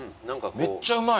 めっちゃうまい。